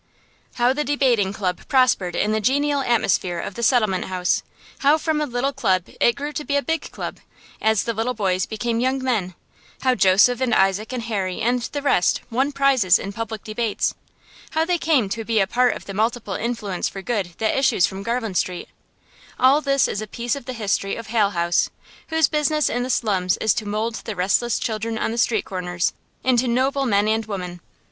How the debating club prospered in the genial atmosphere of the settlement house; how from a little club it grew to be a big club, as the little boys became young men; how Joseph and Isaac and Harry and the rest won prizes in public debates; how they came to be a part of the multiple influence for good that issues from Garland Street all this is a piece of the history of Hale House, whose business in the slums is to mould the restless children on the street corners into noble men and women.